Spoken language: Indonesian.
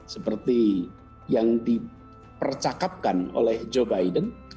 seperti yang dipercakapkan oleh joe biden